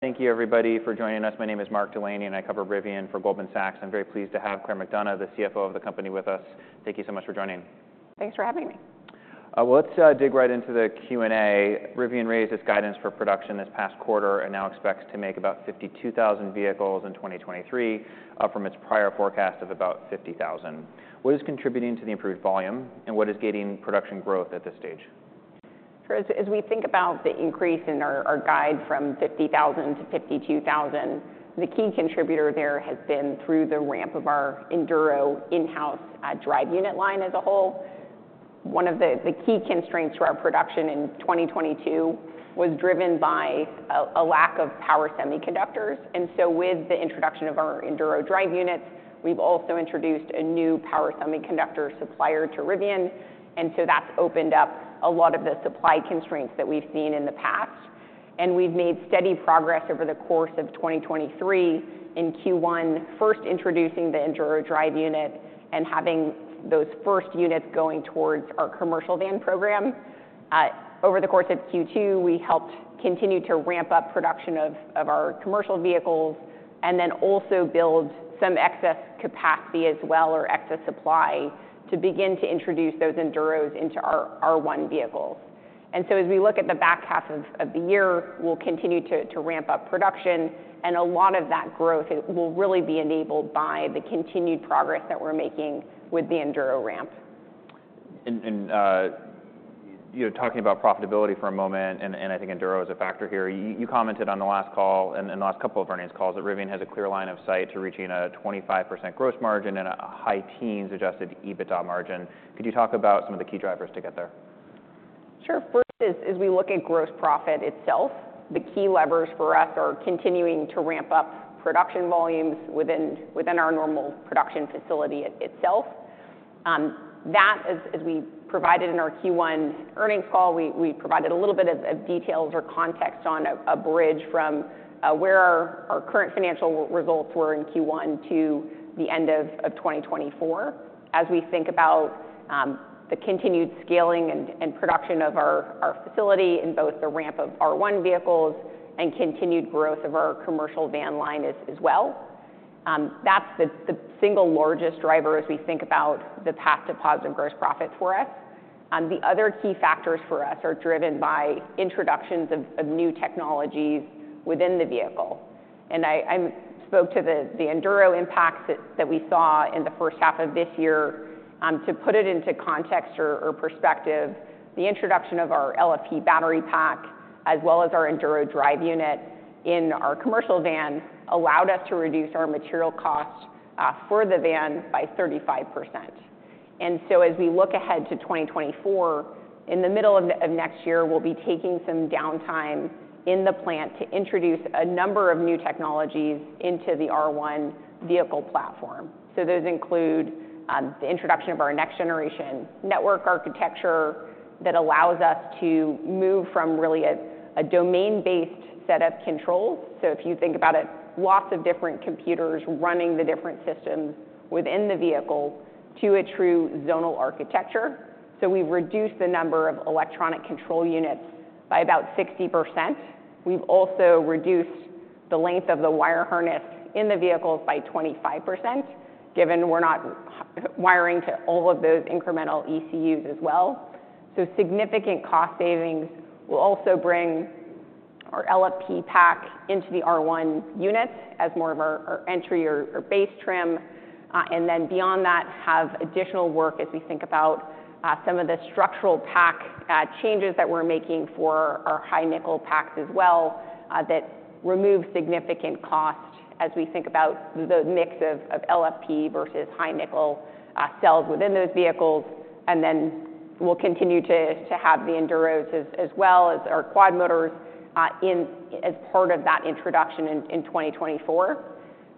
Thank you everybody for joining us. My name is Mark Delaney, and I cover Rivian for Goldman Sachs. I'm very pleased to have Claire McDonough, the CFO of the company, with us. Thank you so much for joining. Thanks for having me. Well, let's dig right into the Q&A. Rivian raised its guidance for production this past quarter, and now expects to make about 52,000 vehicles in 2023, from its prior forecast of about 50,000. What is contributing to the improved volume, and what is gating production growth at this stage? Sure. As we think about the increase in our guide from 50,000 to 52,000, the key contributor there has been through the ramp of our Enduro in-house drive unit line as a whole. One of the key constraints to our production in 2022 was driven by a lack of power semiconductors. And so with the introduction of our Enduro drive units, we've also introduced a new power semiconductor supplier to Rivian, and so that's opened up a lot of the supply constraints that we've seen in the past. And we've made steady progress over the course of 2023 in Q1, first introducing the Enduro drive unit and having those first units going towards our commercial van program. Over the course of Q2, we helped continue to ramp up production of, of our commercial vehicles and then also build some excess capacity as well, or excess supply, to begin to introduce those Enduros into our R1 vehicles. And so as we look at the back half of, of the year, we'll continue to, to ramp up production, and a lot of that growth will really be enabled by the continued progress that we're making with the Enduro ramp. And, you know, talking about profitability for a moment, and I think Enduro is a factor here. You commented on the last call, and the last couple of earnings calls, that Rivian has a clear line of sight to reaching a 25% gross margin and a high teens adjusted EBITDA margin. Could you talk about some of the key drivers to get there? Sure. First, as we look at gross profit itself, the key levers for us are continuing to ramp up production volumes within our Normal production facility itself. That, as we provided in our Q1 earnings call, we provided a little bit of details or context on a bridge from where our current financial results were in Q1 to the end of 2024. As we think about the continued scaling and production of our facility in both the ramp of R1 vehicles and continued growth of our commercial van line as well, that's the single largest driver as we think about the path to positive gross profit for us. The other key factors for us are driven by introductions of new technologies within the vehicle. I spoke to the Enduro impacts that we saw in the first half of this year. To put it into context or perspective, the introduction of our LFP battery pack, as well as our Enduro drive unit in our commercial van, allowed us to reduce our material costs for the van by 35%. So as we look ahead to 2024, in the middle of next year, we'll be taking some downtime in the plant to introduce a number of new technologies into the R1 vehicle platform. Those include the introduction of our next-generation network architecture that allows us to move from really a domain-based set of controls, so if you think about it, lots of different computers running the different systems within the vehicle to a true zonal architecture. So we've reduced the number of electronic control units by about 60%. We've also reduced the length of the wire harness in the vehicles by 25%, given we're not wiring to all of those incremental ECUs as well. So significant cost savings will also bring our LFP pack into the R1 units as more of our entry or base trim. And then beyond that, have additional work as we think about some of the structural pack changes that we're making for our high nickel packs as well, that remove significant cost as we think about the mix of LFP versus high nickel cells within those vehicles. And then we'll continue to have the Enduros as well as our quad motors in as part of that introduction in 2024.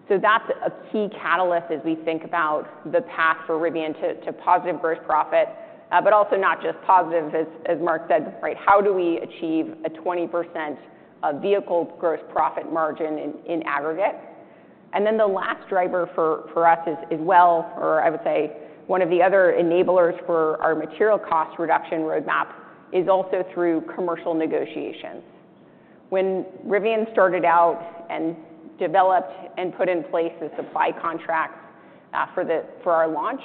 So that's a key catalyst as we think about the path for Rivian to positive gross profit, but also not just positive, as Mark said, right? How do we achieve a 20% vehicle gross profit margin in aggregate? And then the last driver for us, as well, or I would say one of the other enablers for our material cost reduction roadmap, is also through commercial negotiations. When Rivian started out and developed and put in place the supply contracts for our launch,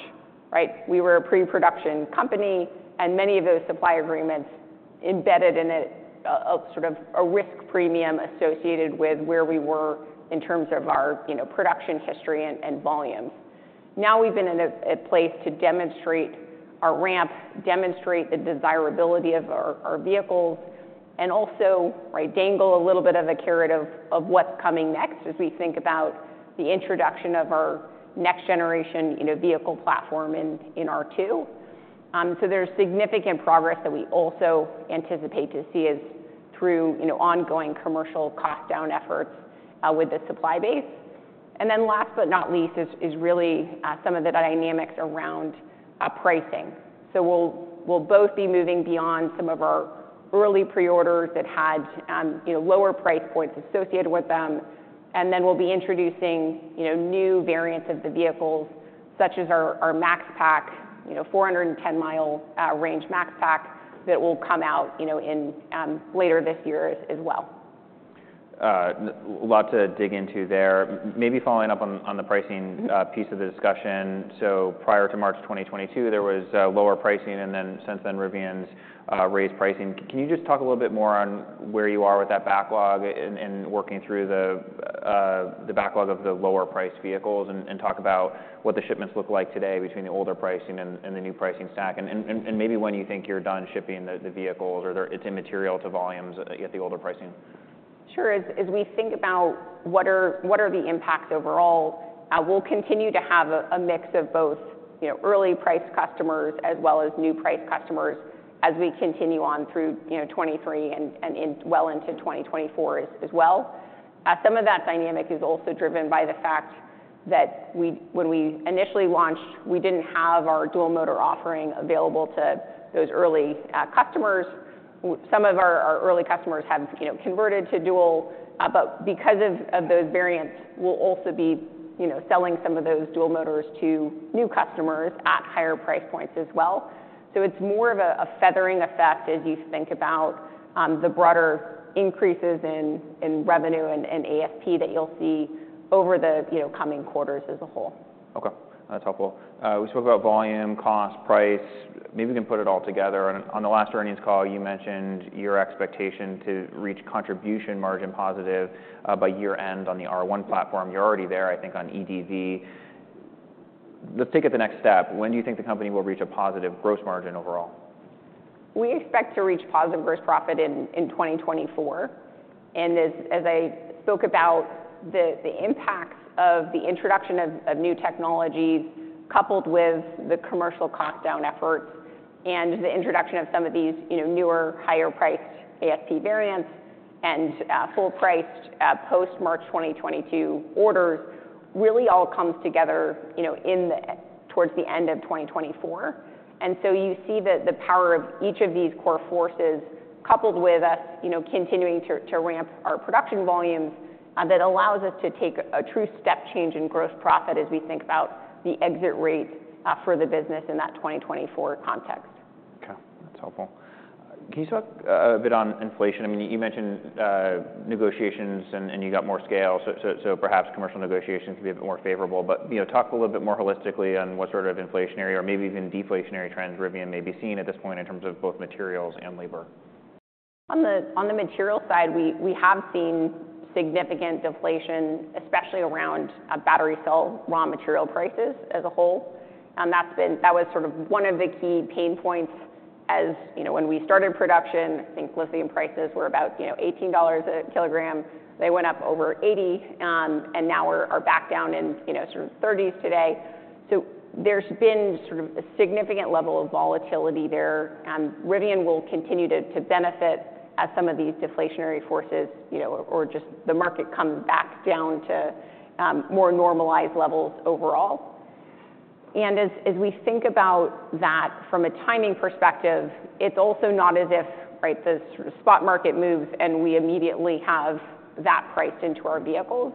right? We were a pre-production company, and many of those supply agreements embedded in a sort of a risk premium associated with where we were in terms of our, you know, production history and volumes. Now, we've been in a place to demonstrate our ramp, demonstrate the desirability of our vehicles, and also, right, dangle a little bit of a carrot of what's coming next as we think about the introduction of our next-generation, you know, vehicle platform in R2. So there's significant progress that we also anticipate to see as through, you know, ongoing commercial cost down efforts with the supply base. And then last but not least is really some of the dynamics around pricing. So we'll both be moving beyond some of our early pre-orders that had, you know, lower price points associated with them.... And then we'll be introducing, you know, new variants of the vehicles, such as our, our Max Pack, you know, 410-mile range Max Pack, that will come out, you know, in later this year as well. A lot to dig into there. Maybe following up on, on the pricing- Mm-hmm. piece of the discussion. So prior to March 2022, there was lower pricing, and then since then, Rivian's raised pricing. Can you just talk a little bit more on where you are with that backlog and working through the backlog of the lower priced vehicles, and talk about what the shipments look like today between the older pricing and the new pricing stack? And maybe when you think you're done shipping the vehicles, or they're, it's immaterial to volumes at the older pricing. Sure. As we think about what are the impacts overall, we'll continue to have a mix of both, you know, early price customers as well as new price customers as we continue on through, you know, 2023 and well into 2024 as well. Some of that dynamic is also driven by the fact that when we initially launched, we didn't have our dual motor offering available to those early customers. Some of our early customers have, you know, converted to dual, but because of those variants, we'll also be, you know, selling some of those dual motors to new customers at higher price points as well. It's more of a feathering effect as you think about the broader increases in revenue and ASP that you'll see over the, you know, coming quarters as a whole. Okay, that's helpful. We spoke about volume, cost, price. Maybe we can put it all together. On the last earnings call, you mentioned your expectation to reach contribution margin positive by year-end on the R1 platform. You're already there, I think, on EDV. Let's take it to the next step. When do you think the company will reach a positive gross margin overall? We expect to reach positive gross profit in 2024, and as I spoke about the impacts of the introduction of new technologies, coupled with the commercial cost down efforts and the introduction of some of these, you know, newer, higher priced ASP variants and full priced post-March 2022 orders, really all comes together, you know, in the, towards the end of 2024. And so you see that the power of each of these core forces, coupled with us, you know, continuing to ramp our production volumes, that allows us to take a true step change in gross profit as we think about the exit rates for the business in that 2024 context. Okay, that's helpful. Can you talk a bit on inflation? I mean, you mentioned negotiations and you got more scale, so perhaps commercial negotiations could be a bit more favorable. But, you know, talk a little bit more holistically on what sort of inflationary or maybe even deflationary trends Rivian may be seeing at this point in terms of both materials and labor. On the material side, we have seen significant deflation, especially around battery cell raw material prices as a whole. That's been—that was sort of one of the key pain points as. You know, when we started production, I think lithium prices were about, you know, $18 a kilogram. They went up over $80, and now we're back down in, you know, sort of $30s today. So there's been sort of a significant level of volatility there, and Rivian will continue to benefit as some of these deflationary forces, you know, or just the market comes back down to more normalized levels overall. And as we think about that from a timing perspective, it's also not as if, right, the spot market moves and we immediately have that priced into our vehicles.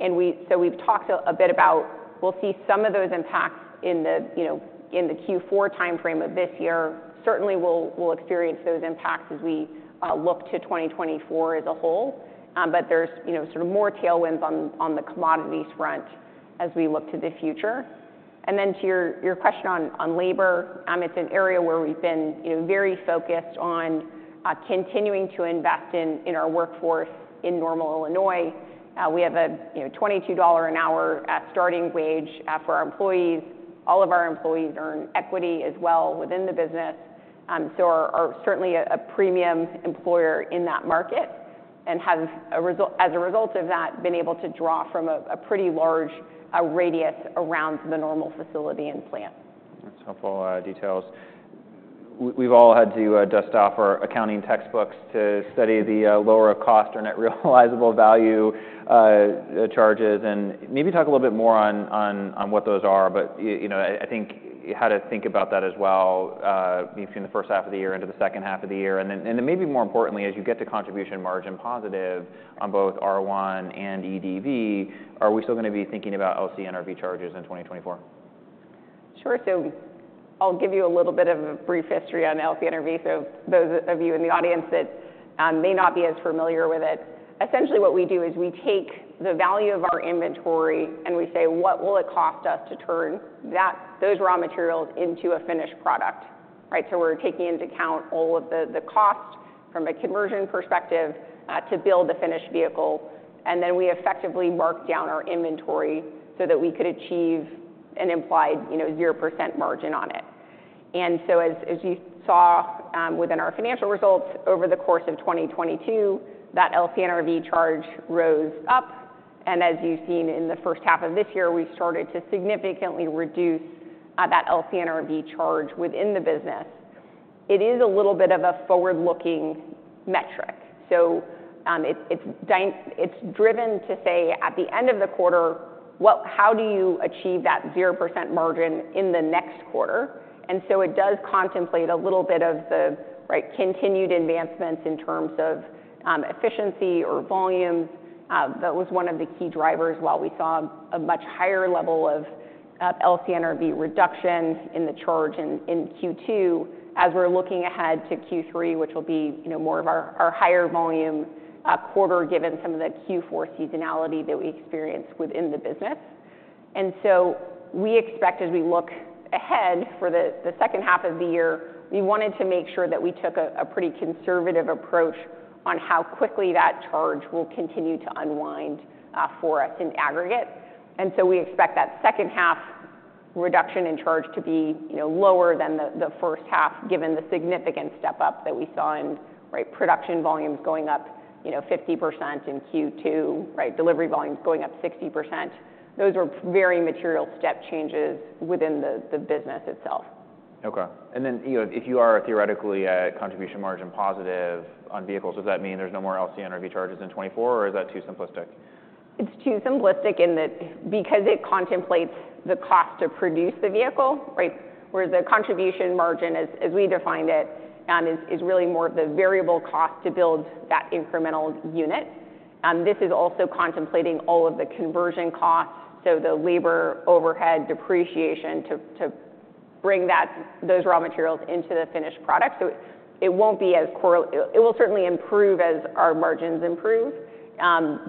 So we've talked a bit about we'll see some of those impacts in the, you know, in the Q4 timeframe of this year. Certainly, we'll experience those impacts as we look to 2024 as a whole. But there's, you know, sort of more tailwinds on the commodities front as we look to the future. And then to your question on labor, it's an area where we've been, you know, very focused on continuing to invest in our workforce in Normal, Illinois. We have a, you know, $22-an-hour starting wage for our employees. All of our employees earn equity as well within the business. We are certainly a premium employer in that market and have, as a result of that, been able to draw from a pretty large radius around the Normal facility and plant. That's helpful details. We've all had to dust off our accounting textbooks to study the lower cost or net realizable value charges, and maybe talk a little bit more on what those are. But you know, I think how to think about that as well, between the first half of the year into the second half of the year. And then maybe more importantly, as you get to contribution margin positive on both R1 and EDV, are we still gonna be thinking about LCNRV charges in 2024? Sure. So I'll give you a little bit of a brief history on LCNRV, so those of you in the audience that may not be as familiar with it. Essentially, what we do is we take the value of our inventory, and we say, "What will it cost us to turn those raw materials into a finished product?" Right? So we're taking into account all of the cost from a conversion perspective to build the finished vehicle, and then we effectively mark down our inventory so that we could achieve an implied, you know, 0% margin on it. And so as you saw within our financial results, over the course of 2022, that LCNRV charge rose up, and as you've seen in the first half of this year, we've started to significantly reduce that LCNRV charge within the business. It is a little bit of a forward-looking metric. So, it's driven to say, at the end of the quarter, "Well, how do you achieve that 0% margin in the next quarter?" And so it does contemplate a little bit of the, right, continued advancements in terms of, efficiency or volume. That was one of the key drivers while we saw a much higher level of, LCNRV reduction in the charge in Q2, as we're looking ahead to Q3, which will be, you know, more of our higher volume quarter, given some of the Q4 seasonality that we experience within the business. And so we expect as we look ahead for the second half of the year, we wanted to make sure that we took a pretty conservative approach on how quickly that charge will continue to unwind for us in aggregate. And so we expect that second half reduction in charge to be, you know, lower than the first half, given the significant step up that we saw in right, production volumes going up, you know, 50% in Q2, right? Delivery volumes going up 60%. Those are very material step changes within the business itself. Okay. And then, you know, if you are theoretically Contribution Margin positive on vehicles, does that mean there's no more LCNRV charges in 2024, or is that too simplistic? It's too simplistic in that because it contemplates the cost to produce the vehicle, right? Where the contribution margin is, as we defined it, is really more of the variable cost to build that incremental unit. This is also contemplating all of the conversion costs, so the labor, overhead, depreciation, to bring those raw materials into the finished product. So it won't be as correlated. It will certainly improve as our margins improve,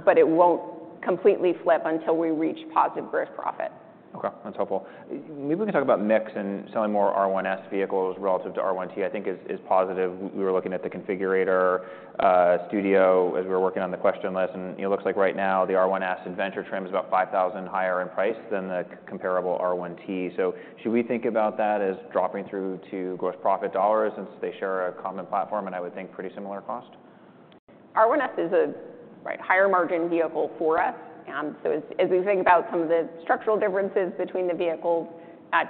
but it won't completely flip until we reach positive gross profit. Okay, that's helpful. Maybe we can talk about mix and selling more R1S vehicles relative to R1T, I think is positive. We were looking at the configurator studio as we were working on the question list, and, you know, it looks like right now, the R1S Adventure trim is about $5,000 higher in price than the comparable R1T. So should we think about that as dropping through to gross profit dollars, since they share a common platform, and I would think pretty similar cost? R1S is a, right, higher margin vehicle for us. So as we think about some of the structural differences between the vehicles,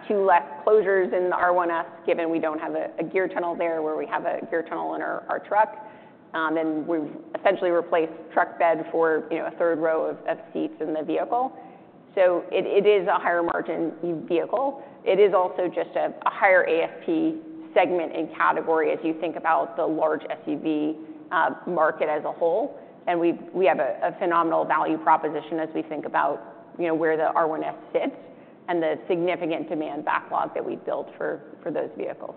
two less closures in the R1S, given we don't have a gear tunnel there, where we have a gear tunnel in our truck. And we've essentially replaced truck bed for, you know, a third row of seats in the vehicle. So it is a higher margin vehicle. It is also just a higher ASP segment and category, as you think about the large SUV market as a whole. And we have a phenomenal value proposition as we think about, you know, where the R1S sits and the significant demand backlog that we've built for those vehicles.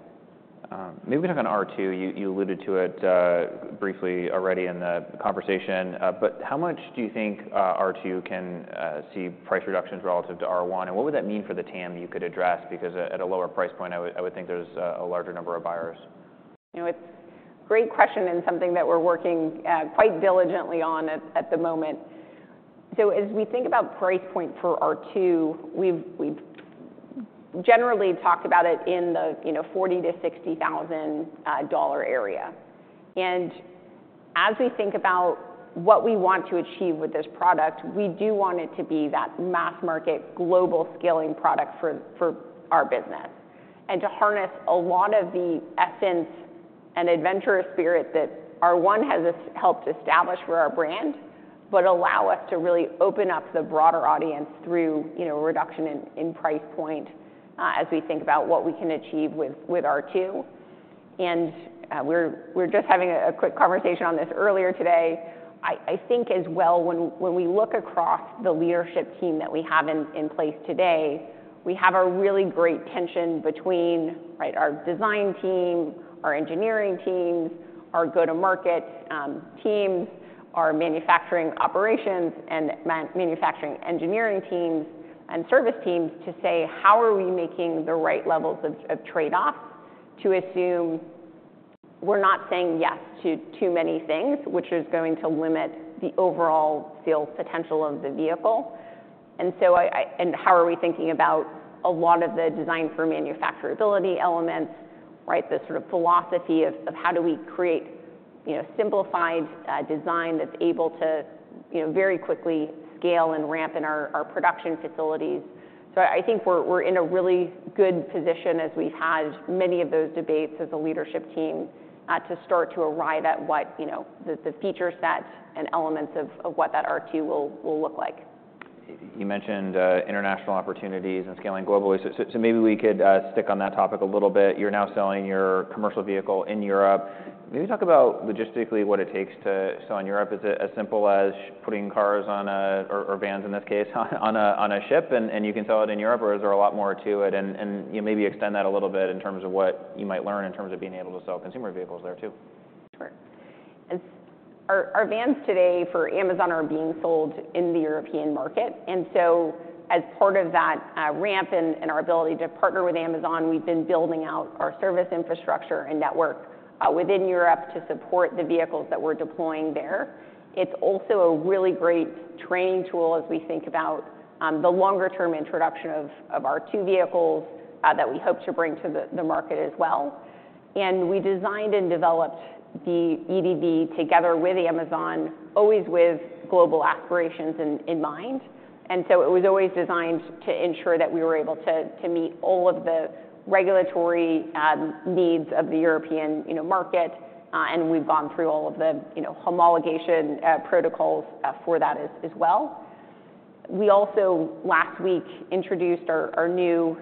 Maybe we can talk on R2. You alluded to it briefly already in the conversation. But how much do you think R2 can see price reductions relative to R1, and what would that mean for the TAM you could address? Because at a lower price point, I would think there's a larger number of buyers. You know, it's a great question and something that we're working quite diligently on at the moment. So as we think about price point for R2, we've generally talked about it in the, you know, $40,000-$60,000 area. And as we think about what we want to achieve with this product, we do want it to be that mass market, global scaling product for our business. And to harness a lot of the essence and adventurous spirit that R1 has helped establish for our brand, but allow us to really open up the broader audience through, you know, reduction in price point as we think about what we can achieve with R2. And we were just having a quick conversation on this earlier today. I think as well when we look across the leadership team that we have in place today, we have a really great tension between, right, our design team, our engineering teams, our go-to-market teams, our manufacturing operations, and manufacturing engineering teams and service teams, to say: How are we making the right levels of trade-off to assume we're not saying yes to too many things, which is going to limit the overall sales potential of the vehicle? And how are we thinking about a lot of the design for manufacturability elements, right? The sort of philosophy of how do we create, you know, simplified design that's able to, you know, very quickly scale and ramp in our production facilities. So I think we're in a really good position as we've had many of those debates as a leadership team to start to arrive at what, you know, the feature set and elements of what that R2 will look like. You mentioned international opportunities and scaling globally. So maybe we could stick on that topic a little bit. You're now selling your commercial vehicle in Europe. Can you talk about, logistically, what it takes to sell in Europe? Is it as simple as putting cars on a ship, or vans, in this case, on a ship, and you can sell it in Europe, or is there a lot more to it? And you know, maybe extend that a little bit in terms of what you might learn in terms of being able to sell consumer vehicles there, too. Sure. It's our vans today for Amazon are being sold in the European market, and so as part of that, ramp and our ability to partner with Amazon, we've been building out our service infrastructure and network within Europe to support the vehicles that we're deploying there. It's also a really great training tool as we think about the longer term introduction of R2 vehicles that we hope to bring to the market as well. And we designed and developed the EDV together with Amazon, always with global aspirations in mind. And so it was always designed to ensure that we were able to meet all of the regulatory needs of the European, you know, market, and we've gone through all of the, you know, homologation protocols for that as well. We also last week introduced our new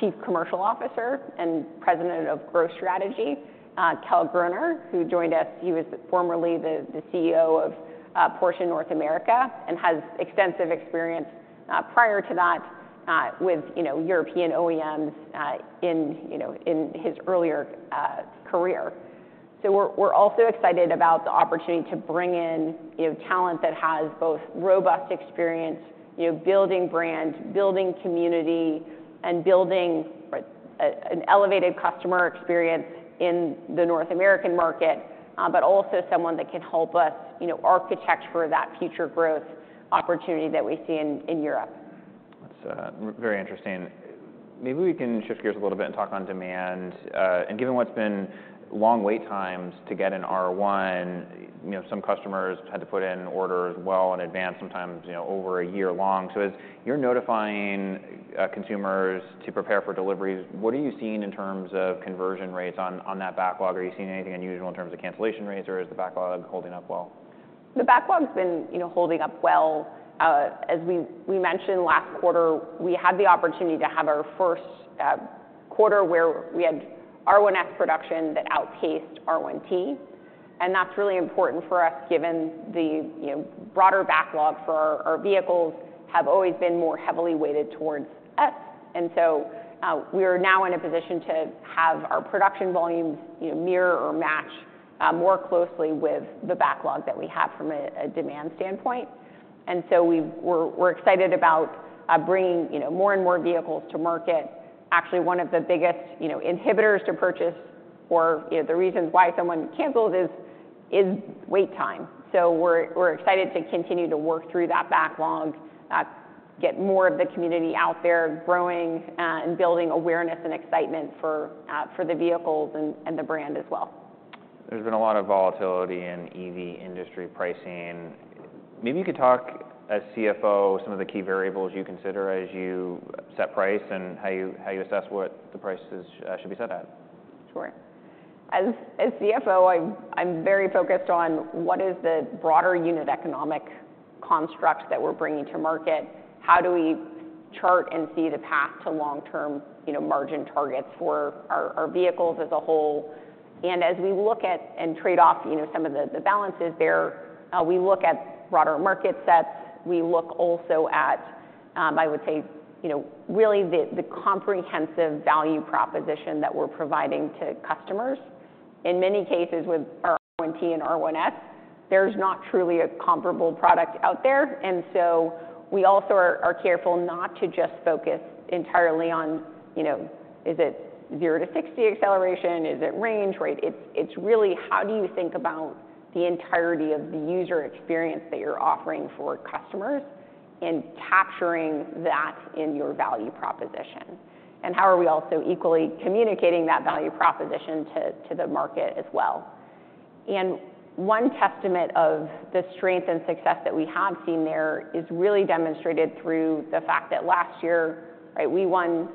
Chief Commercial Officer and President of Growth Strategy, Kjell Gruner, who joined us. He was formerly the CEO of Porsche North America, and has extensive experience prior to that with, you know, European OEMs in, you know, in his earlier career. So we're also excited about the opportunity to bring in, you know, talent that has both robust experience, you know, building brand, building community, and building an elevated customer experience in the North American market, but also someone that can help us, you know, architect for that future growth opportunity that we see in Europe. That's very interesting. Maybe we can shift gears a little bit and talk on demand. And given what's been long wait times to get an R1, you know, some customers had to put in orders well in advance, sometimes, you know, over a year long. So as you're notifying consumers to prepare for deliveries, what are you seeing in terms of conversion rates on that backlog? Are you seeing anything unusual in terms of cancellation rates, or is the backlog holding up well? The backlog's been, you know, holding up well. As we, we mentioned last quarter, we had the opportunity to have our first quarter where we had R1S production that outpaced R1T, and that's really important for us, given the, you know, broader backlog for our, our vehicles have always been more heavily weighted towards S. And so, we are now in a position to have our production volumes, you know, mirror or match more closely with the backlog that we have from a, a demand standpoint. And so we're, we're excited about bringing, you know, more and more vehicles to market. Actually, one of the biggest, you know, inhibitors to purchase or, you know, the reasons why someone cancels is, is wait time. We're excited to continue to work through that backlog, get more of the community out there growing, and building awareness and excitement for the vehicles and the brand as well. There's been a lot of volatility in EV industry pricing. Maybe you could talk, as CFO, some of the key variables you consider as you set price, and how you assess what the prices should be set at. Sure. As CFO, I'm very focused on what is the broader unit economic construct that we're bringing to market? How do we chart and see the path to long-term, you know, margin targets for our vehicles as a whole? And as we look at and trade off, you know, some of the balances there, we look at broader market sets. We look also at, I would say, you know, really the comprehensive value proposition that we're providing to customers. In many cases, with R1T and R1S, there's not truly a comparable product out there, and so we also are careful not to just focus entirely on, you know, is it zero to sixty acceleration? Is it range, right? It's really, how do you think about the entirety of the user experience that you're offering for customers, and capturing that in your value proposition? And how are we also equally communicating that value proposition to the market as well? And one testament of the strength and success that we have seen there is really demonstrated through the fact that last year, right, we won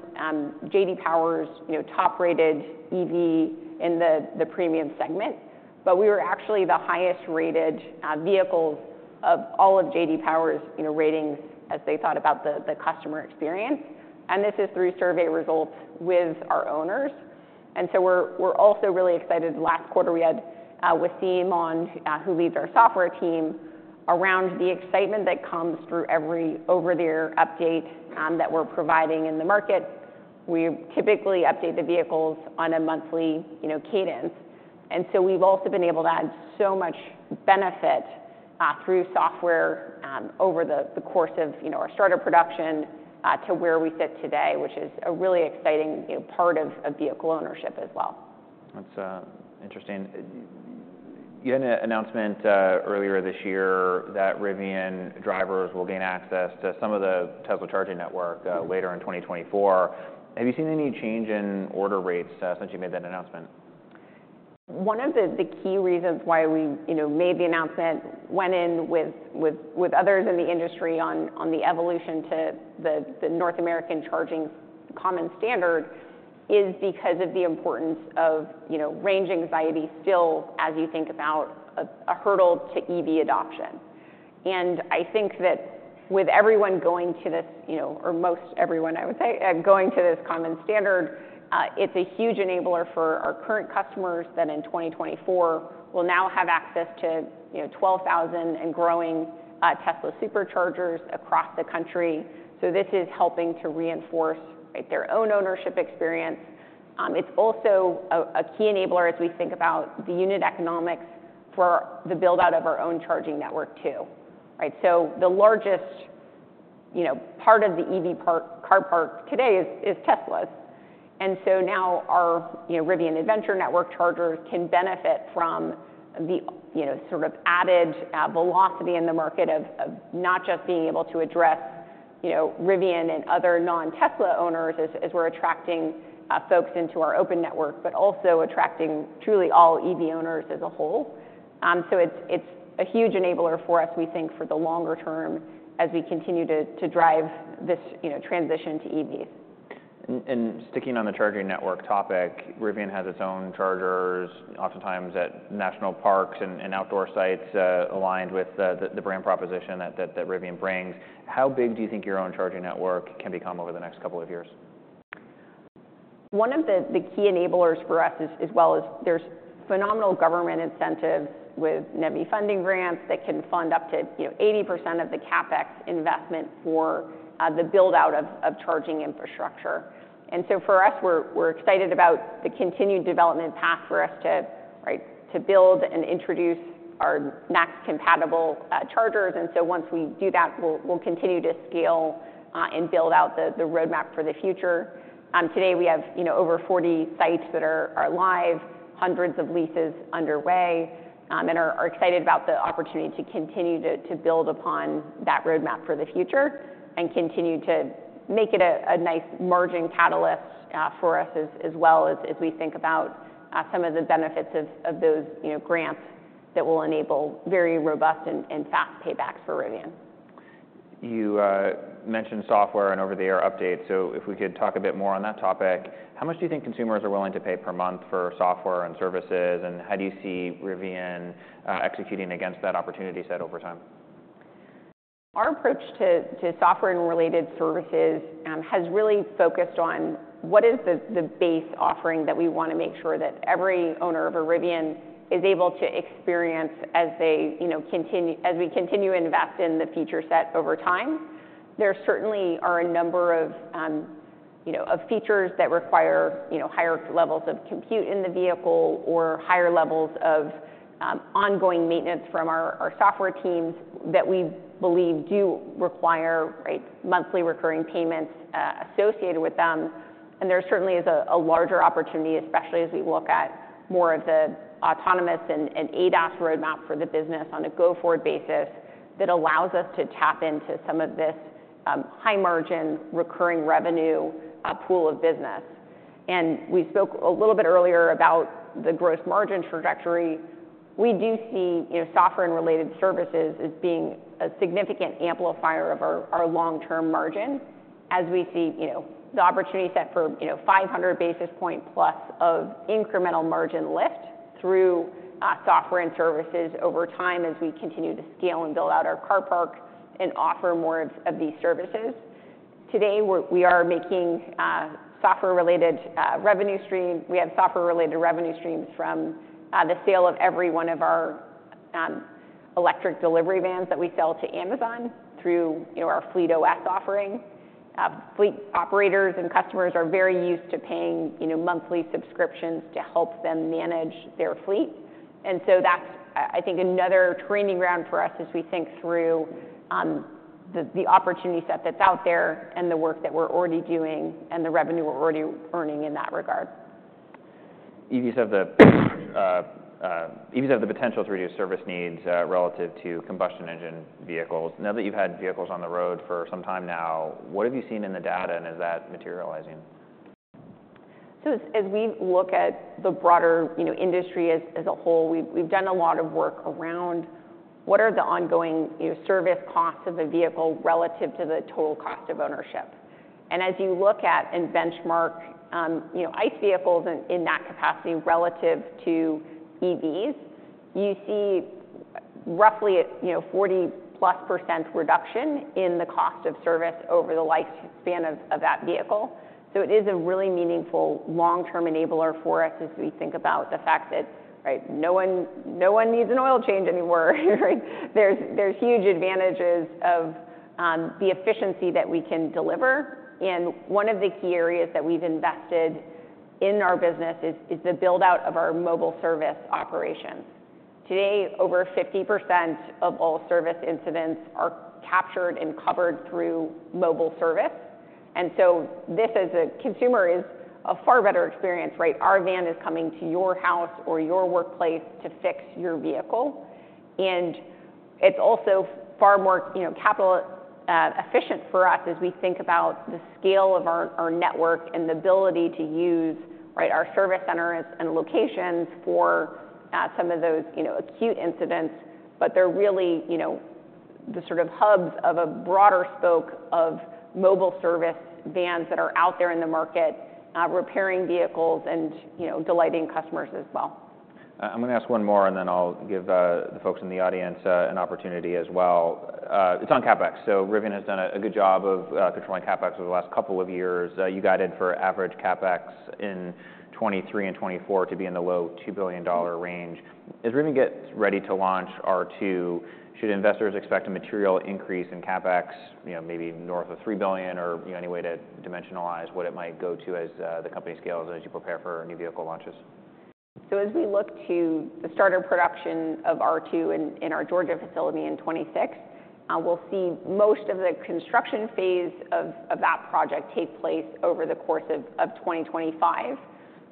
J.D. Power's, you know, top-rated EV in the premium segment, but we were actually the highest-rated vehicles of all of J.D. Power's, you know, ratings as they thought about the customer experience, and this is through survey results with our owners. And so we're also really excited. Last quarter we had Wassym on, who leads our software team, around the excitement that comes through every over-the-air update that we're providing in the market. We typically update the vehicles on a monthly, you know, cadence, and so we've also been able to add so much benefit through software over the course of, you know, our starter production to where we sit today, which is a really exciting, you know, part of vehicle ownership as well. That's interesting. You had an announcement earlier this year that Rivian drivers will gain access to some of the Tesla charging network later in 2024. Have you seen any change in order rates since you made that announcement? One of the key reasons why we, you know, made the announcement, went in with others in the industry on the evolution to the North American Charging Standard, is because of the importance of, you know, range anxiety still, as you think about a hurdle to EV adoption. I think that with everyone going to this, you know, or most everyone, I would say, going to this common standard, it's a huge enabler for our current customers that in 2024 will now have access to, you know, 12,000 and growing Tesla Superchargers across the country. This is helping to reinforce, right, their own ownership experience. It's also a key enabler as we think about the unit economics for the build-out of our own charging network too, right? So the largest, you know, part of the EV park, car park today is, is Teslas. And so now our, you know, Rivian Adventure Network chargers can benefit from the, you know, sort of added velocity in the market of, of not just being able to address you know, Rivian and other non-Tesla owners as, as we're attracting folks into our open network, but also attracting truly all EV owners as a whole. So it's, it's a huge enabler for us, we think, for the longer term as we continue to, to drive this, you know, transition to EVs. Sticking on the charging network topic, Rivian has its own chargers, oftentimes at national parks and outdoor sites, aligned with the brand proposition that Rivian brings. How big do you think your own charging network can become over the next couple of years? One of the key enablers for us as well is there's phenomenal government incentives with NEVI funding grants that can fund up to, you know, 80% of the CapEx investment for the build-out of charging infrastructure. For us, we're excited about the continued development path for us to build and introduce our NACS-compatible chargers. Once we do that, we'll continue to scale and build out the roadmap for the future. Today, we have, you know, over 40 sites that are live, hundreds of leases underway, and are excited about the opportunity to continue to build upon that roadmap for the future and continue to make it a nice margin catalyst, for us as well as we think about some of the benefits of those, you know, grants that will enable very robust and fast paybacks for Rivian. You mentioned software and over-the-air updates, so if we could talk a bit more on that topic. How much do you think consumers are willing to pay per month for software and services, and how do you see Rivian executing against that opportunity set over time? Our approach to software and related services has really focused on what is the base offering that we want to make sure that every owner of a Rivian is able to experience as they, you know, continue—as we continue to invest in the feature set over time. There certainly are a number of, you know, of features that require, you know, higher levels of compute in the vehicle or higher levels of ongoing maintenance from our software teams that we believe do require, right, monthly recurring payments associated with them. And there certainly is a larger opportunity, especially as we look at more of the autonomous and ADAS roadmap for the business on a go-forward basis, that allows us to tap into some of this high-margin, recurring revenue pool of business. We spoke a little bit earlier about the gross margin trajectory. We do see, you know, software and related services as being a significant amplifier of our long-term margin as we see, you know, the opportunity set for, you know, 500 basis points plus of incremental margin lift through software and services over time, as we continue to scale and build out our car park and offer more of these services. Today, we are making software-related revenue stream. We have software-related revenue streams from the sale of every one of our electric delivery vans that we sell to Amazon through, you know, our FleetOS offering. Fleet operators and customers are very used to paying, you know, monthly subscriptions to help them manage their fleet. That's, I think, another training ground for us as we think through the opportunity set that's out there and the work that we're already doing and the revenue we're already earning in that regard. EVs have the potential to reduce service needs relative to combustion engine vehicles. Now that you've had vehicles on the road for some time now, what have you seen in the data, and is that materializing? So as we look at the broader, you know, industry as a whole, we've done a lot of work around what are the ongoing, you know, service costs of a vehicle relative to the total cost of ownership. And as you look at and benchmark, you know, ICE vehicles in that capacity relative to EVs, you see roughly, you know, 40+% reduction in the cost of service over the lifespan of that vehicle. So it is a really meaningful long-term enabler for us as we think about the fact that, right, no one needs an oil change anymore, right? There's huge advantages of the efficiency that we can deliver. And one of the key areas that we've invested in our business is the build-out of our mobile service operations. Today, over 50% of all service incidents are captured and covered through mobile service, and so this, as a consumer, is a far better experience, right? Our van is coming to your house or your workplace to fix your vehicle, and it's also far more, you know, capital efficient for us as we think about the scale of our, our network and the ability to use, right, our service centers and locations for some of those, you know, acute incidents. But they're really, you know, the sort of hubs of a broader spoke of mobile service vans that are out there in the market repairing vehicles and, you know, delighting customers as well. I'm going to ask one more, and then I'll give the folks in the audience an opportunity as well. It's on CapEx. So Rivian has done a good job of controlling CapEx over the last couple of years. You guided for average CapEx in 2023 and 2024 to be in the low $2 billion range. As Rivian gets ready to launch R2, should investors expect a material increase in CapEx, you know, maybe north of $3 billion or, you know, any way to dimensionalize what it might go to as the company scales and as you prepare for new vehicle launches? So as we look to the start of production of R2 in our Georgia facility in 2026, we'll see most of the construction phase of that project take place over the course of 2025.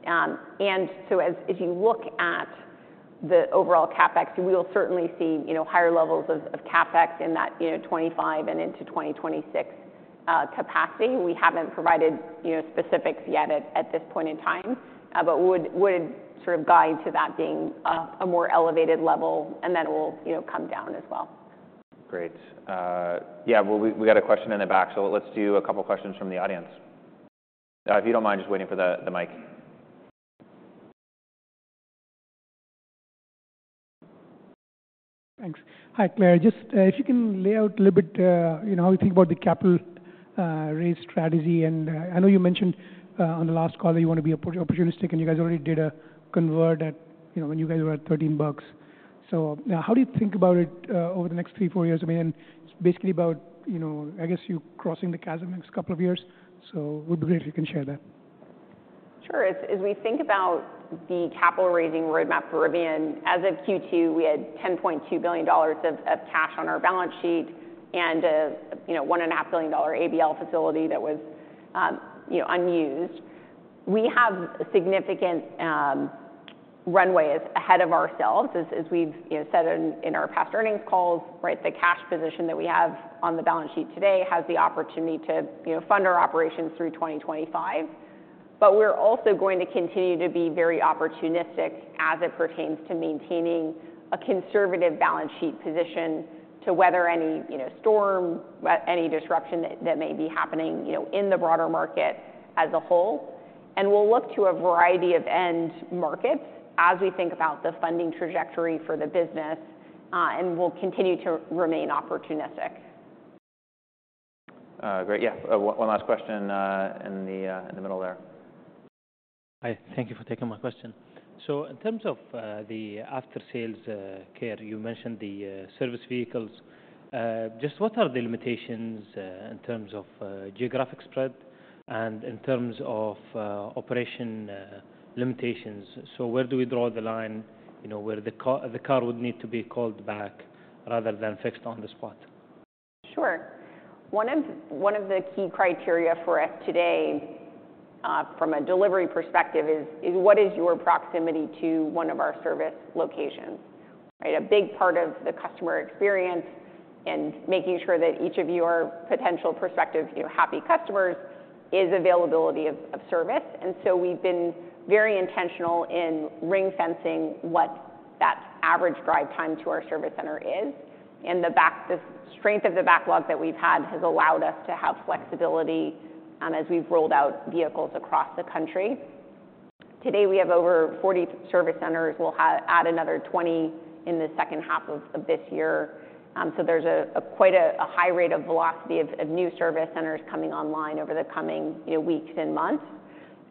And so as you look at the overall CapEx, we will certainly see, you know, higher levels of CapEx in that, you know, 2025 and into 2026 capacity. We haven't provided, you know, specifics yet at this point in time, but would sort of guide to that being a more elevated level, and then it will, you know, come down as well. Great. Yeah, well, we got a question in the back, so let's do a couple questions from the audience. If you don't mind just waiting for the mic. Thanks. Hi, Claire. Just, if you can lay out a little bit, you know, how you think about the capital raise strategy. And, I know you mentioned, on the last call that you want to be opportunistic, and you guys already did a convert at, you know, when you guys were at $13. So now, how do you think about it, over the next three, four years? I mean, it's basically about, you know, I guess you crossing the chasm next couple of years. So it would be great if you can share that. Sure. As, as we think about the capital raising roadmap for Rivian, as of Q2, we had $10.2 billion of cash on our balance sheet and a, you know, $1.5 billion ABL facility that was, you know, unused. We have significant runways ahead of ourselves, as, as we've, you know, said in, in our past earnings calls, right? The cash position that we have on the balance sheet today has the opportunity to, you know, fund our operations through 2025. But we're also going to continue to be very opportunistic as it pertains to maintaining a conservative balance sheet position to weather any, you know, storm, any disruption that, that may be happening, you know, in the broader market as a whole. We'll look to a variety of end markets as we think about the funding trajectory for the business, and we'll continue to remain opportunistic. Great. Yeah. One last question in the middle there. Hi, thank you for taking my question. So in terms of the after-sales care, you mentioned the service vehicles. Just what are the limitations in terms of geographic spread and in terms of operation limitations? So where do we draw the line, you know, where the car- the car would need to be called back rather than fixed on the spot? Sure. One of the key criteria for us today, from a delivery perspective is what is your proximity to one of our service locations, right? A big part of the customer experience and making sure that each of your potential prospective, you know, happy customers, is availability of service. And so we've been very intentional in ring-fencing what that average drive time to our service center is. And the strength of the backlog that we've had has allowed us to have flexibility, as we've rolled out vehicles across the country. Today, we have over 40 service centers. We'll add another 20 in the second half of this year. So there's quite a high rate of velocity of new service centers coming online over the coming, you know, weeks and months.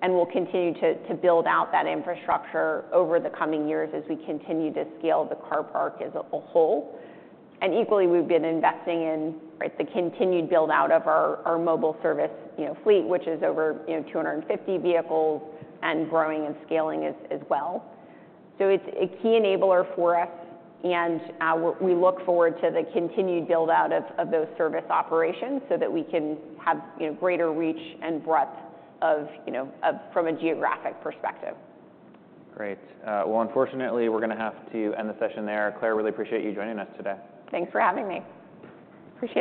And we'll continue to build out that infrastructure over the coming years as we continue to scale the car park as a whole. And equally, we've been investing in, right, the continued build-out of our mobile service, you know, fleet, which is over, you know, 250 vehicles and growing and scaling as well. So it's a key enabler for us, and we look forward to the continued build-out of those service operations so that we can have, you know, greater reach and breadth of, you know, from a geographic perspective. Great. Well, unfortunately, we're gonna have to end the session there. Claire, really appreciate you joining us today. Thanks for having me. Appreciate it.